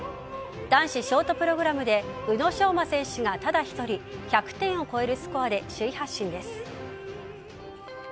男子ショートプログラムで宇野昌磨選手がただ１人１００点を超えるスコアで首位発進です。